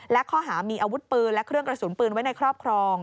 และข้อหามีอาวุธปืนและเครื่องกระสุนปืนไว้ในครอบครอง